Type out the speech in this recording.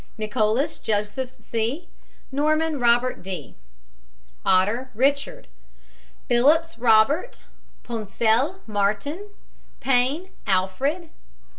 NICHOLLS, JOSEPH C. NORMAN, ROBERT D. OTTER, RICHARD. PHILLIPS, ROBERT. PONESELL, MARTIN. PAIN, DR. ALFRED.